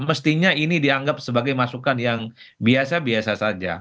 mestinya ini dianggap sebagai masukan yang biasa biasa saja